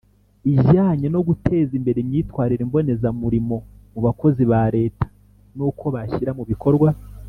ijyanye no guteza imbere imyitwarire mbonezamurimo mu bakozi ba Leta n uko bashyira mu bikorwa